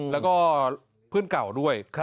แล้วก็เพื่อนเก่าด้วย